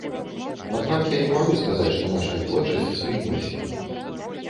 Аднак я не магу сказаць, што нашая творчасць спынілася.